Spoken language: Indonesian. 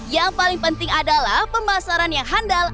yang paling penting adalah pemasaran yang handal